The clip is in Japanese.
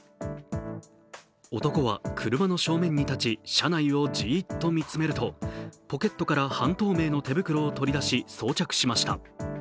男は車の正面に立ち、車内をじっと見つめると、ポケットから半透明の手袋を取り出し、装着しました。